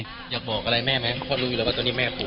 อยากบอกอะไรแม่ไหมเพราะรู้อยู่แล้วว่าตอนนี้แม่ป่วย